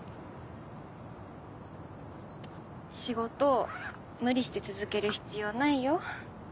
仕事無理して続ける必要ないよ。